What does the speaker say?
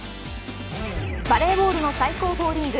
バレーボールの最高峰リーグ